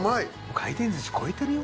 回転寿司超えてるよ。